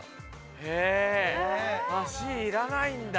へえシいらないんだ。